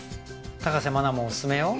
高瀬真奈もおすすめよ